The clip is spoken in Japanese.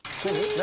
何？